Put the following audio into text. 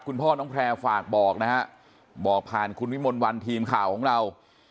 คุณพ่อน้องแพร่ฝากบอกนะฮะบอกผ่านคุณวิมลวันทีมข่าวของเรา